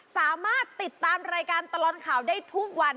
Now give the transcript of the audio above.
สามารถติดตามรายการตลอดข่าวได้ทุกวัน